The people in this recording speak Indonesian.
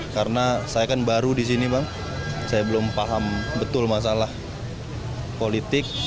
karena saya kan baru di sini bang saya belum paham betul masalah politik